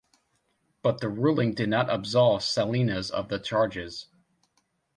But the ruling did not absolve Salinas of the charges.